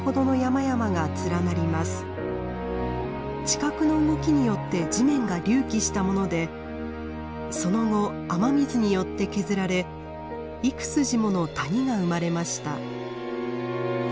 地殻の動きによって地面が隆起したものでその後雨水によって削られ幾筋もの谷が生まれました。